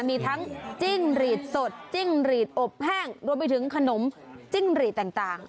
มีทั้งจิ้งหรีดสดจิ้งหรีดอบแห้งรวมไปถึงขนมจิ้งหรีดต่าง